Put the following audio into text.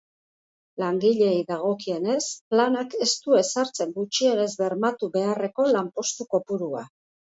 Langileei dagokienez, planak ez du ezartzen gutxienez bermatu beharreko lanpostu kopurua.